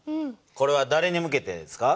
これはだれに向けてですか？